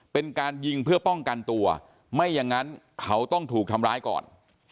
เป็นการยิงเพื่อป้องกันตัวไม่อย่างนั้นเขาต้องถูกทำร้ายก่อน